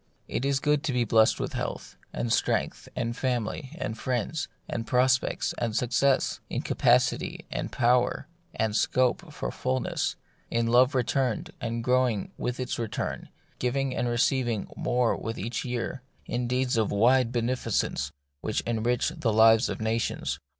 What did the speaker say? It is good to be blest in health, and strength, and family, and friends, and prospects, and suc cess ; in capacity, and power, and scope for usefulness ; in love returned, and growing with its return, giving and receiving more with every year; in deeds of wide benefi cence which enrich the lives of nations.